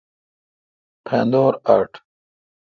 پھندور اٹ۔